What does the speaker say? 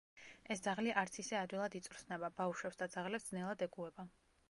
ეს ძაღლი არც ისე ადვილად იწვრთნება, ბავშვებს და ძაღლებს ძნელად ეგუება.